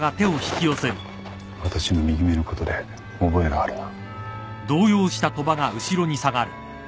私の右目のことで覚えがあるな。